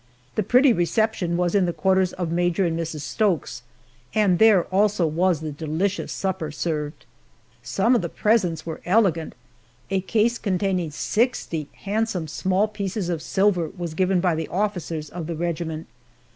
The pretty reception was in the quarters of Major and Mrs. Stokes, and there also was the delicious supper served. Some of the presents were elegant. A case containing sixty handsome small pieces of silver was given by the officers of the regiment.